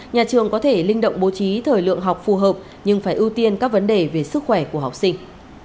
nhà trường có thể linh động bố trí thời lượng học phù hợp nhưng phải ưu tiên các vấn đề về sức khỏe của học sinh